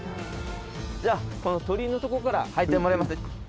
じゃあこの鳥居のとこから入ってもらえます？